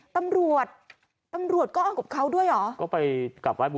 ตำรวจตำรวจก็อ้างกบเขาด้วยหรอก็ไปกราบไหว้มูลค่ะ